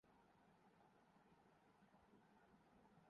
اپنی پہچان کرنے کے بعد ہی آپ کو خالق کی پہچان ہوگی